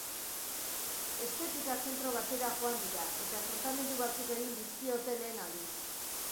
Estetika zentro batera joan dira, eta tratamendu batzuk egin dizkiote lehen aldiz.